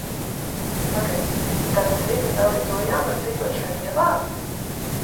Pagaidi, tātad viņi vēl joprojām var dzīvot šai ielā?